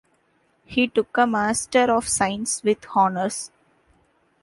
He took a Master of Science with honors.